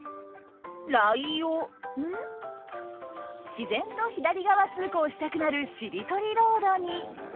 自然と左側通行したくなる「しりとりロード」に。